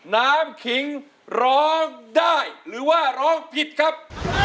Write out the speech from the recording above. น้ำขิงร้องได้หรือว่าร้องผิดครับ